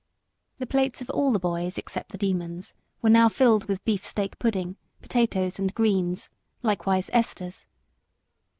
The plates of all the boys except the Demon's were now filled with beefsteak pudding, potatoes, and greens, likewise Esther's.